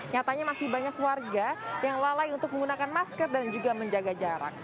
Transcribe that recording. nyatanya masih banyak warga yang lalai untuk menggunakan masker dan juga menjaga jarak